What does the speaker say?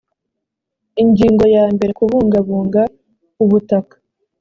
ingingo ya mbere kubungabunga ubutaka